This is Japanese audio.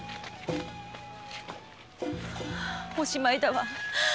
おしまいだわ。